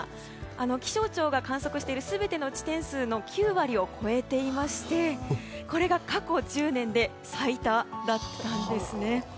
気象庁が観測している全ての地点数の９割を超えていまして、これが過去１０年で最多だったんです。